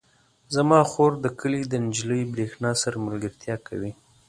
زما خور د کلي د نجلۍ برښنا سره ملګرتیا کوي.